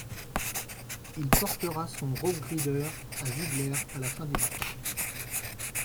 Il portera son Rough Ryder à Ziggler à la fin du match.